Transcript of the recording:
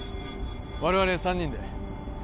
我々三人で？